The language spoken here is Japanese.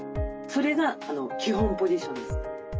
それが基本ポジションです。